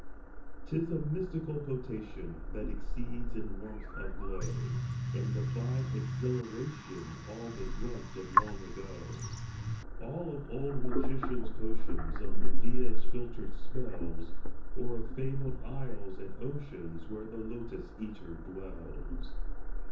'Tis a mystical potation That exceeds in warmth of glow And divine exhilaration All the drugs of long ago All of old magicians' potions Of Medea's filtered spells Or of fabled isles and oceans Where the Lotos eater dwells!